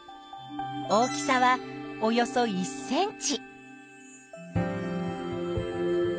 大きさはおよそ１ｃｍ。